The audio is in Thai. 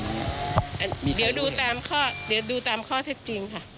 เดี๋ยวดูตามข้อเท็จจริงค่ะ